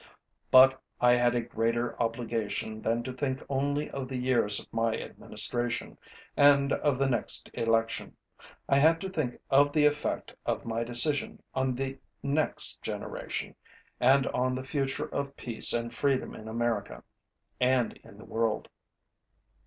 But I had a greater obligation than to think only of the years of my Administration, and of the next election. I had to think of the effect of my decision on the next generation, and on the future of peace and freedom in America, and in the world.